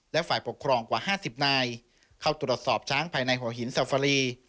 และฝ่ายปกครองกว่า๕๐นายเข้าตรวจสอบช้างภายในหัวหินซาฟารี